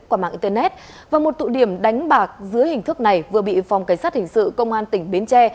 qua mạng internet và một tụ điểm đánh bạc dưới hình thức này vừa bị phòng cảnh sát hình sự công an tỉnh bến tre